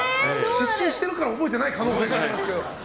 失神してるから覚えてない可能性もありますけど。